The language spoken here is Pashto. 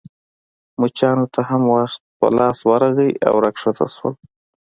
مچانو ته هم وخت په لاس ورغلی او راکښته شول.